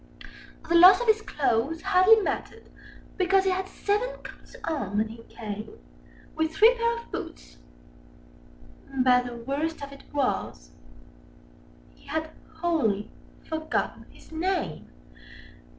The loss of his clothes hardly mattered, because Â Â Â Â He had seven coats on when he came, With three pairs of boots—but the worst of it was, Â Â Â Â He had wholly forgotten his name.